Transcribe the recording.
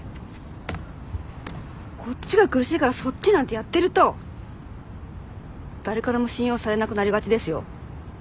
こっちが苦しいからそっちなんてやってると誰からも信用されなくなりがちですよ。